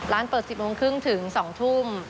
ร้านเปิด๑๐โมงครึ่งถึง๒ทุ่ม